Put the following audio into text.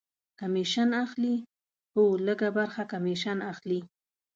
کمیشن اخلي؟ هو، لږ ه برخه کمیشن اخلی